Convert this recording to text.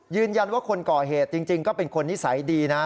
ยืนยันว่าคนก่อเหตุจริงก็เป็นคนนิสัยดีนะ